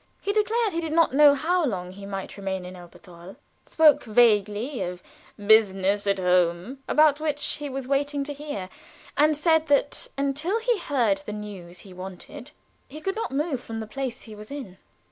He declared he did not know how long he might remain in Elberthal; spoke vaguely of "business at home," about which he was waiting to hear, and said that until he heard the news he wanted, he could not move from the place he was in.